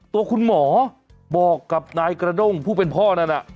ตัวคุณหมอบอกกับนายกระด้งผู้เป็นพ่อนั่นน่ะ